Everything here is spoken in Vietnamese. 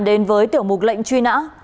đến với tiểu mục lệnh truy nã